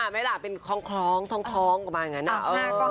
๕ไหมล่ะเป็นคล้องท้องกว่าบ้างอย่างงี้นะ